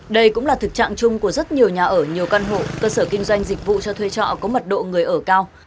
đây cũng là thực trạng chung của rất nhiều nhà ở nhiều căn hộ cơ sở kinh doanh dịch vụ cho thuê trọ có mật độ người ở cao